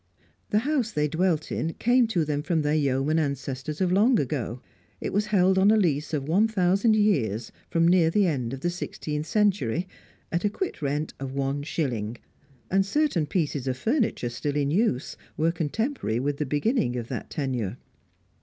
The house they dwelt in came to them from their yeoman ancestors of long ago; it was held on a lease of one thousand years from near the end of the sixteenth century, "at a quit rent of one shilling," and certain pieces of furniture still in use were contemporary with the beginning of the tenure.